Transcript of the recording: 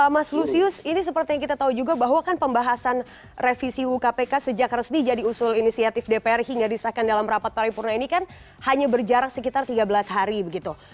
mas lusius ini seperti yang kita tahu juga bahwa kan pembahasan revisi ukpk sejak resmi jadi usul inisiatif dpr hingga disahkan dalam rapat paripurna ini kan hanya berjarak sekitar tiga belas hari begitu